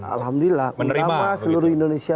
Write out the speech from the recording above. alhamdulillah ulama seluruh indonesia